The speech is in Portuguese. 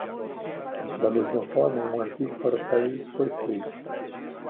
Da mesma forma, um arquivo para as raízes foi feito.